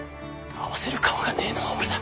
合わせる顔がねぇのは俺だ。